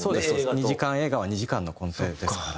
２時間映画は２時間のコンテですから。